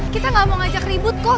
kitanya ga mau ngajak ribet kok